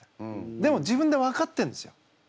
でも自分で分かってるんですよ